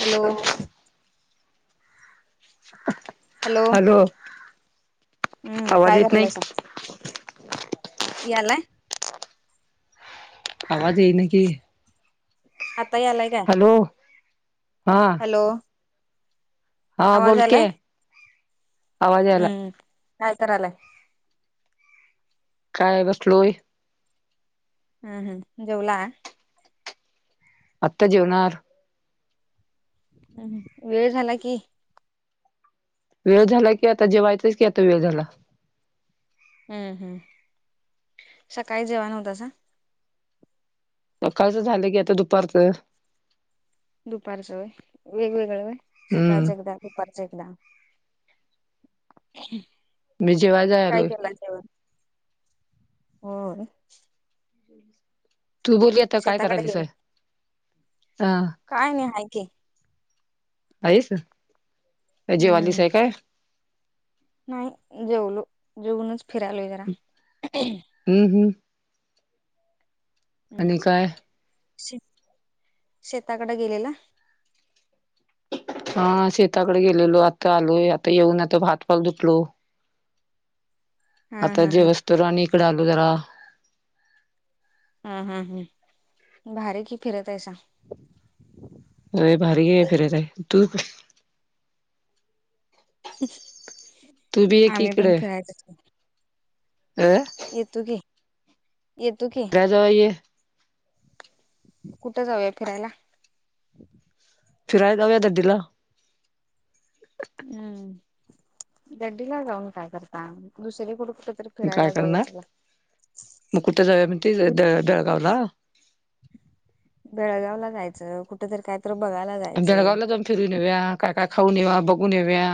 Hello hello हम्म आवाज काय येत नाही करालयसा यालय आवाज यई न की आता यालाय काय हो हा हॅलो हा बोलकी आवाज याला हम्म काय करालाय काय बसलोय हम्म हम्म जेवला आता जेवणार हम्म हम्म वेळ झाला की वेळ झाला की आता जेवायचाच की आता वेळ झाला हम्म हम्म सकाळी जेवा नव्हतासा सकाळचं झालं की आता दुपारचं दुपारच होय वेगवेगळं होय हम्म सकाळच एकदा दुपारचं एकदा मी जेवाय काय जायलोय केला जेवण होय तू बोल आता काय शेताकडे करालीस गेला काय नाही आहे की आहेस का जेवालीस हम्म आहे काय नाही जेवलो जेवूनच फिरायलोय जरा हम्म हम्म आणि काय शी शेताकड गेलेला हा शेताकडे गेलेलो आता आलोय आता येऊन आता हातपाय धुतलो हा आता हा हा जेवसतवर आणि इकडं आलो जरा हम्म हम्म हम्म भारी की फिरत आहेस होय भारी की फिरत आहे तू कस तू बी ये की आम्ही पण इकडे फिरायचच की अ येतो की येतो की जेवाय य कुठे जाऊया फिरायला फिरायला जाऊया दर्दीला हम्म गड्डीला जाऊन काय करता दुसरीकड कुठ तर काय करणार मग कुठे जाऊया म्हणतीस बेळ बेळगावला बेळगाव ला जायचं कुठतर कायतर बघायला जायच बेळगावला जाऊन फिरून येऊया काय काय खाऊन येऊया बघून येऊया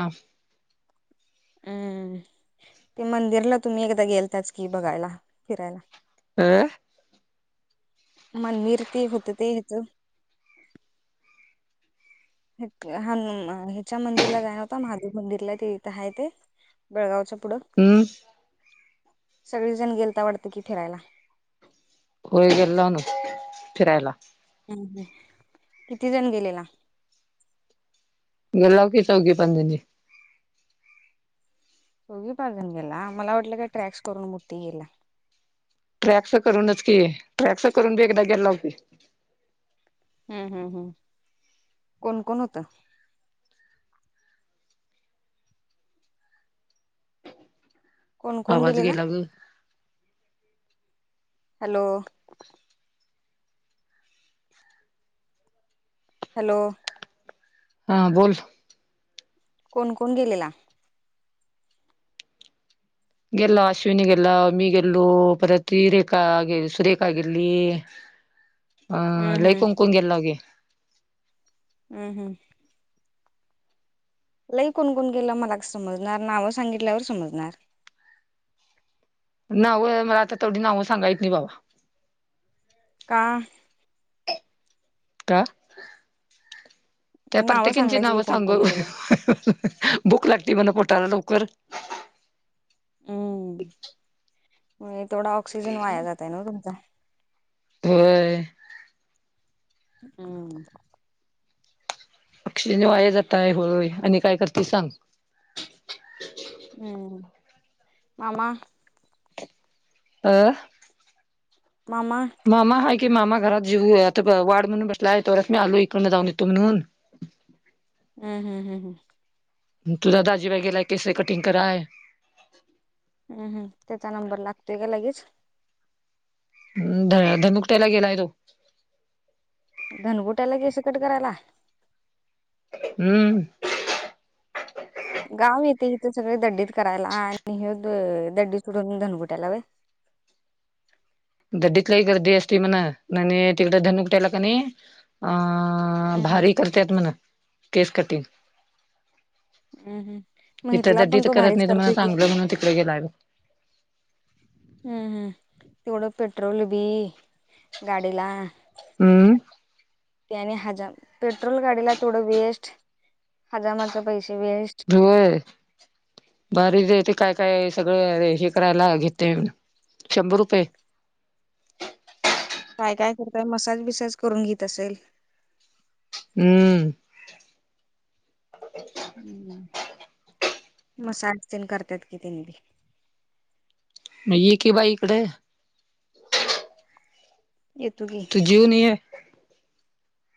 हम्म ते मंदिरला तुम्ही एकदा गेलताच की बघायला फिरायला अ मंदिर ते होत ते इथं हण ह्याच्या मंदिरला जाया नव्हता महादेव मंदिरला ते इथं आहे ते बेळगावच्या पुढं हम्म सगळेजण गेलता वाटतं की फिरायला होय गेलतो नव्ह फिरायला हम्म हम्म किती जण गेलेला गेलाव की चौघी पाच जणी चौघी पाच जणी गेला मला वाटलं काय ट्रॅक्स करून मोठी गेला ट्रॅक्स करूनच की ट्रॅक्स करून बी एकदा गेलेलो की हम्म हम्म हम्म कोण कोण होतं कोण कोण आवाज गेलेला गेला ग हॅलो [inaudible] हॅलो हा बोल कोण कोण गेलेला गेल्लो अश्विनी गेल्लो मी गेल्लो परत ती रेखा गे सुरेखा गेली [inaudible] अं लई हम्म कुंकू न गेल लगे. हम्म हम्म. लई कुण कुण गेलं मला समजणार? नावं सांगितल्यावर समजणार. नाव मला आता तेवढी नावं सांगाया येत नाही बाबा. का? का? त्या मग नावं प्रत्येकीची सांगायची की नाव कोण कोण सांगू? गेले भुक लागती म्हणा पोटाला लवकर हम्म म तेवढा ऑक्सिजन वाया जातंय ना व तुमचा. होय. हम्म. ऑक्सिजन वाया जातय होय आणि काय करती सांग? हम्म मामा? अं. मामा? मामा हाय की मामा घरात जेवूय आता वाढ म्हून बसलाय, तेवढ्यात मी आलोय इकडन जाऊन येतो म्हणून. हम्म हम्म हम्म हम्म. तुझा दाजी बाई गेलाय केस हे कटिंग कराय. हम्म हम्म त्याचा नंबर लागतोय का लगेच? हम्म ध धनु कुट्याला गेलाय तो. धन कुट्याला केंस कट करायला? हम्म. गाव येते हिथ सगळे दड्डीत करायला आणि हे अ दड्डी सोडून धनुकुट्याला व्हय. दड्डीत लई गर्दी असती म्हणा आनं तिकडं धनुकुट्याला क नई अ हम्म हम्म भारी करत्यात म्हण केस कटिंग. हम्म हम्म मग इथं इथला पण दड्डीत तो करत भारीच नाही त म्हण करतोय की चांगलं म्हणून तिकडे गेलाय तो. हम्म हम्म तेवढं पेट्रोल बी गाडीला हम्म. त्याने हजाम पेट्रोल गाडीला तेवढं वेस्ट हजामाच पैस वेस्ट. होय. भारीच है तेे काय काय सगळं हे करायला घेते शंभर रुपये? काय काय करताय मसाज बिसाज करून घेत असेल. हम्म. हम्म मसाज तेन करतात कि तेन बी. म ये की बाई इकड. येतु की. तु जीवून ये.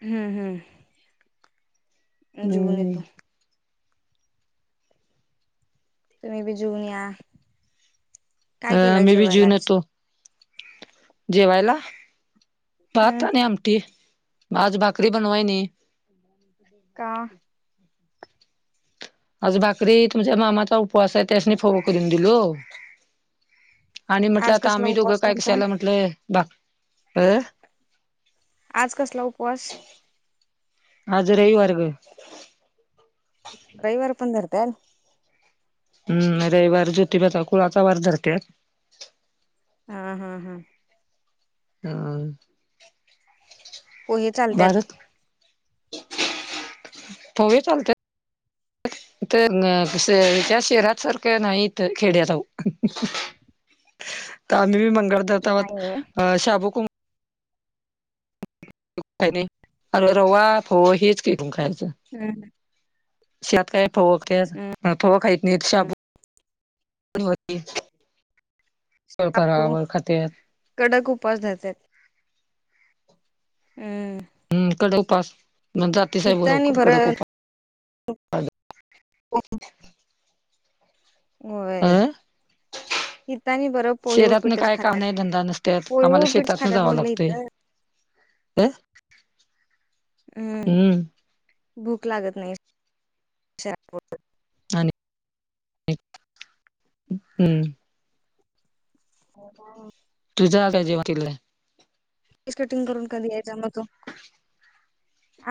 हम्म हम्म जीवून हम्म येतो. तुम्ही बी जीवून या, काय अ केला मी बी जेवायला जेऊन आज? येतो जेवायला भात हम्म आणि आमटी आज भाकरी बनवायनी. का? आज भाकरी तुझ्या मामाचा उपवास आहे त्यासनी फोव करून दिलो. आणि म्हटलं आज आता कसला आम्ही दोघं उपवास काय त्यांचा कशा आला म्हटलं भा अ आज कसला उपवास? आज रविवार ग. रविवार पण धरतायेल. हम्म रविवार ज्योतिबाचा कुळाचा वार धरत्यात. हां हां हां. हम्म. पोहे चालत्यात भारत हवे चालत तर त्या शहरात सारखं नाही इथ खेड्यातऊ तम्ही मंगळ दता म नाही होय अ शाबू कुंकू काही नाही अरे रवा फवा हेच का तुम खायचं हम् हम शत काय फोव फोव खाहीत नाही शबू साबू बराबर खात कडक उपसधात हम् हम् कडकपास मग आणि जातीसाहेबरोर बरं कडक उपास अ होय हीतानी बरो शेतातन काय काम नाही धंदा नसत्यात पोहे आम्हाला उपीटच शेतातन खात्यात जावं म्हटलं लागतंय इथं हम हम्म भूक लागत नाही शहरात. आणि हम्म हो तुझं काय जेव्हा आहे कटिंग करून कधी यायचं आम त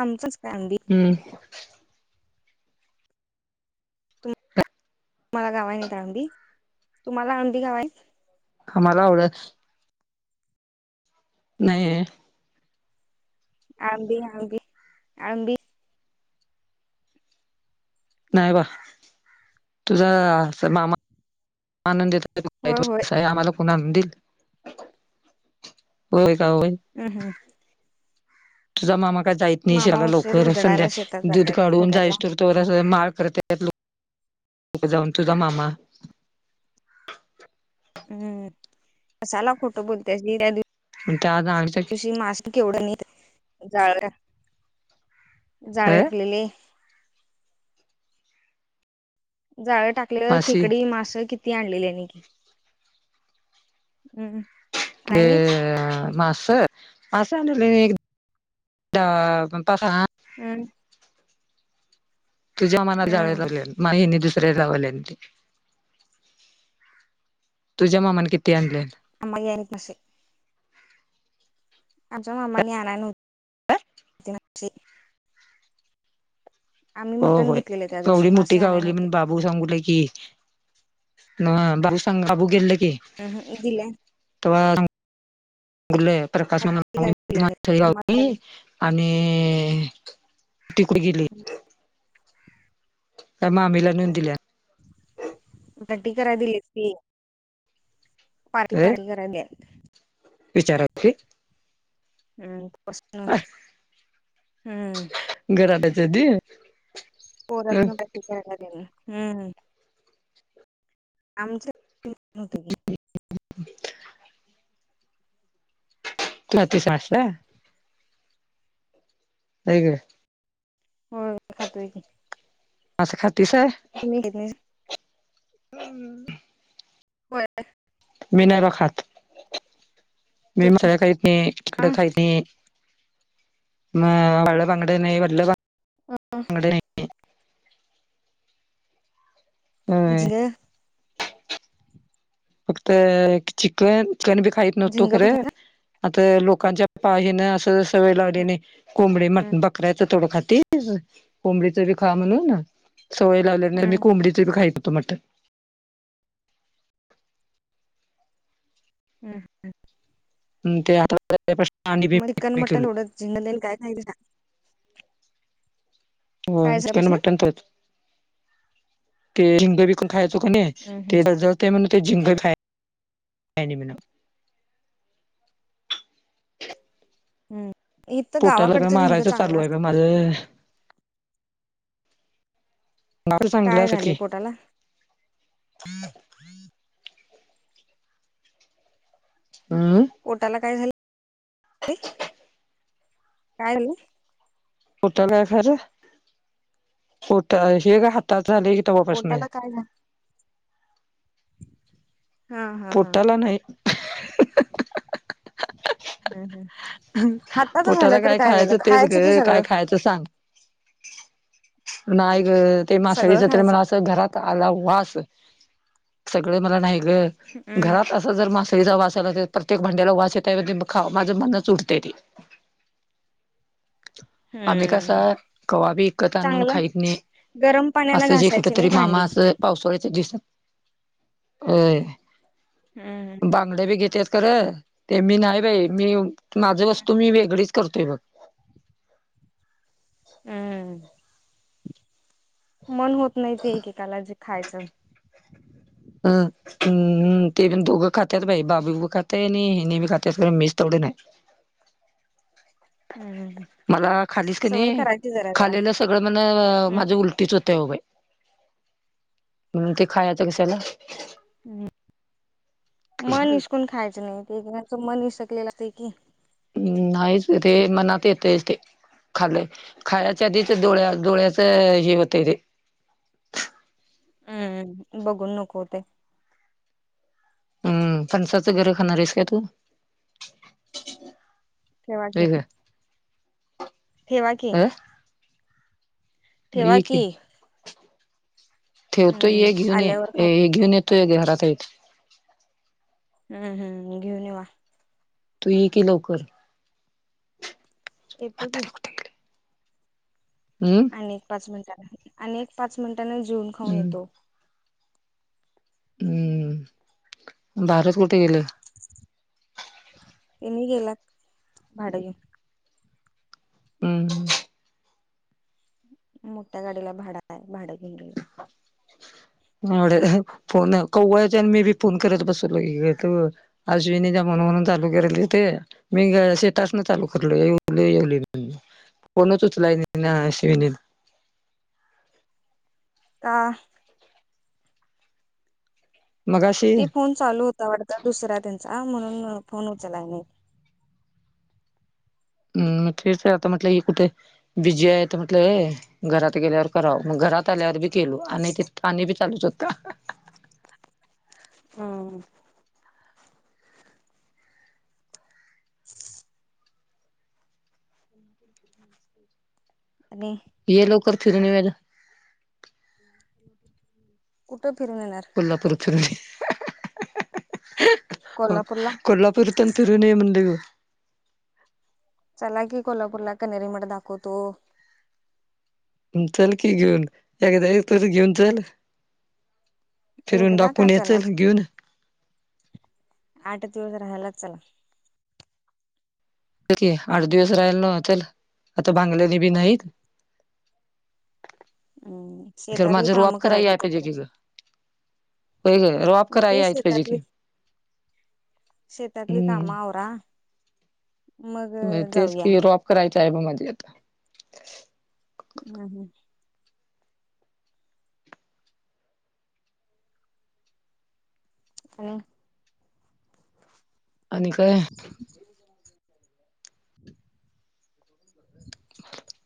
आमचच का आंडी हम्म मला गावा आहे नाहीत आळंदी तुम्हाला आळंदी गाव आहे ह मला आवडत नाही आमबी आबी आंबी नाही बा तुझा मामा होय होय न आम्हाला पुन आणंदील होय का होय हम हं तुझा मामा काय जायत नाही मामा शिला उशीर लवकर संध्या उजडायला शेतात दूध जातात काढून हुडायला जायचस तर चोरास माळ करत जाऊन तुझा मामा हम्म कसाला खोटं बोलतेड मग त्या आ मास केवढं नाही जाळ अ जाळकलेले जाळं टाकलेलं मासी खेकडी मास किती आणलेली हम् क मास मांस आनल काते बबा घान हम् तु ज मनाला हम्म जायला लागल मा लावले तुझ्या मामाने किती आणले आम गन मसे आमच्या मा्मा न ना आण हो मक्षी आम्ही हो मटण होय घेतलेले त्या दिवशी गवडी मोठी मासे आणाय गावली नव्हते. म्हण बा बाबू सांगूला कि बाबू सांग बाबू गेले की ह ह उला त प्रकाश म [unintelligible] आणि तिकड गेली त्या माममीला नेन दिल्या पट करा दिलेस पर परयरा विचाराचे हम् कसन हम्म घराडायच्याधी पोरस न बटी काला देन हम् आमच्या होते की आवाज नाही तूती मास ला ह ग हो खातोय क असं खातस आहे त घेत हम् होय होय मी नाही ब खात मी मसाळ खात नाही तिकड खायत नाही म प पंगड नाहीड होय जे फक्त चिकन चिकन बी खाईत नवस्हतो झिंग पण खरं खाय ना आता लोकांच्या पाहेन असं स वयळ लावलेने कोंबडी म्ह बघ करायच थोड खाती कोंबडीच बी खा म्हणून सवय लावले मी हम्म कोंबडी खाय तु मट हम हम ह ते आता् मडिकन मटन ोडत जिंगलल काय ख हो काय चिकन झाल्यापासन मटण तरच तेंग ण खायचो का नाही ते ज म्ह ते जिंक खाय म्ह हम्म इथ तर पोटाला काय गावाकडच झिंक मारायचं चालू चांगलं आहे बा असतात ते माझं ना चांगलं काय अस झाली की पोटाला? हम्म पोटाला काय झालं काय झालं होठ आहे कारे होठाला काय झाले? तवा प्रश्न आहे होठाला काय झाले- हा हा हा पोटाला नाही- हम् हम... पोटाला काय खायचं तेच की सगळये काय सगळं खायचं सांग? नाई ग ते माशानी सगळं तर खायचं मला असं घरात- आला वास सगळ मला नाही ग हम्म. घरात- जर मासळीचा वास आला तर प्रत्येक भांड्याला वास येतय त्या म माझं मनच उटते त ते [unintelligible] आम्ही हम्म. कसं कवा बी इकत आणुन- चांगलं खायत नाही गरम पाण्यानं असं जे कुठ घासायची नाही तरी मामा भांडी. असं पावसाळ्याच्या दिवसात... होय हम्म हम बांगडय़ा बी घेतेत खरं ते मी नाही बाई मी माझ हम्म. वस्तू मी वेगळीच करतेय बघ हम्म मन होत नाही ते एकेकाला जे खायचं... हम... हम्म ते पण दोघं खातात बा बाबू खातय आणि हि बी खातात मीच तेवढं नाही. हम्म म् मला खालीच सवय कणी करायची- जरा जरा. खालेलं सगळं म्हण माझ्या उलटीच होतय बाई- म्हणून ते खायचं कशाला- ह् मन इसकून खायचं नाही तेच मन इसकलेलं ते की... हम्म नाहीच रे मनात येतच ते- खालंय खायच्या आधीच डोळ्या, डोळ्याचं हे होतंय तेे. हम्म बघून नको होतय. हम्म फणसाच गिर खाणार आहेस का तू? ठेवा कि. वेगळं ठेवा की. अ ठेवा की. ठेवतो ये हम्म घेऊन ये आल्यावर खातो. हे घेऊन येतोय घरात येत. हम्म, हम्म घेऊन येवा. तु ये की लवकर. येतो की. म्हातारी कुठे गेली हम्म. आणि एक पाच मिनिटांन आणि एक पाच मिनिटांने जेवून खाऊन हम्म येतो. हम्म भारत कुठे गेलं? तेनी गेल्यात भाडं घेऊन. हम्म. मोठ्या गाडीला भाड आहे, भाडं घेऊन गेले. [inaudible] फोन भावड्याच्या आणि मी बी फोन करत बसलो ग. अश्विनी च जमना म्हणून चालू केलेले ते. मी शेतासन चालू करलो येवलो येवली. फोनच उचलाय नाही ना अश्विनी. का? मगाशी ते फोन चालू होता वाटत दुसरा त्यांचा म्हणून फोन उचलाय नाही. हम्म तेच आता म्हटलं ही कुठे बिझी आहे तर म्हटलं हे. घरात गेल्यावर करावं मग घरात आल्यावर बी केलो आणि बी चालूच होत. हम्म. [inaudible] [unintelligible] आणि ये लवकर फिरून येऊया ग. [inaudible] कुठं फिरून येणार? कोल्हापूर चल, कोल्हापूरला कोल्हा पूर तेन फिरून ये म्हणलं येऊ. चला की कोल्हापूर ला कनेरी मठ दाखवतो. चल की घेऊन एकदा एक तस घेऊन चल. फिरून एकदा का दाकवून येे चल चलाच घेऊन. आठ दिवस राहायलाच चला. आठ दिवस राहिला नव चल आता भांगलेले बी नाहीत. हम्म, तर शेतातली माझं रोआप काम करा कराय की याय पाहिजे तोपर्यंत. ग होय ग रॉप मग कराय ते यायचं पाहिजे शेतातली की. शेतातली काम हम्म आवरा. मग होय तेच जाऊया कि रॉप करायचा आहे ब मध्येे आता. हम् हम् आणि आणि काय. [inaudible] [inaudible]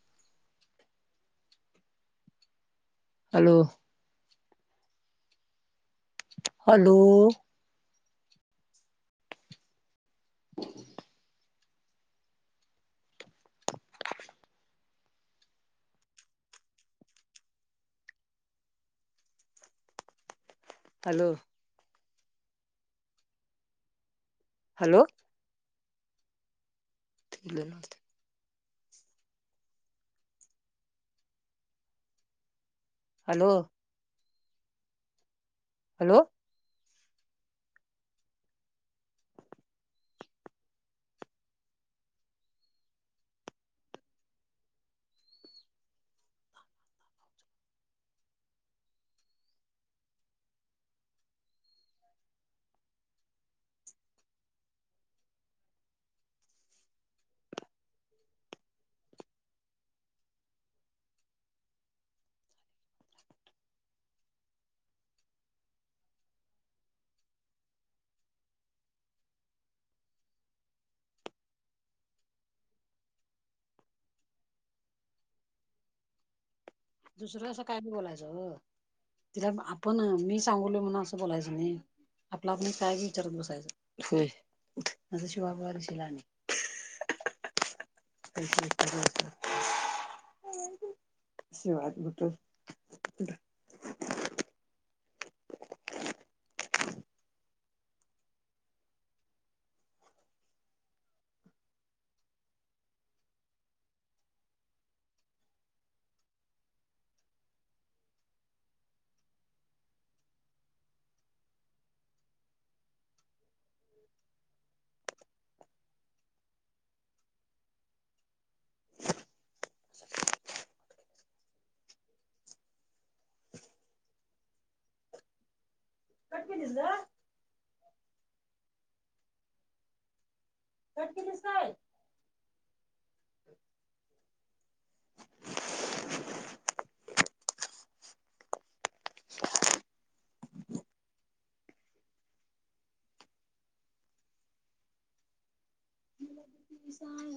हॅलो हॅलो हलो हॅलो ते हॅलो हॅलो दुसरं असं काय बी बोलायचं हो तिला आपण मी सांगवल म्हणून असं बोलायचं नाही आपला आपण कागी विचारत बसायचं अस शिवाारी शि लणी ह [inaudible] वाात बुटो न कट कितीसायल [inaudible] म त सहाय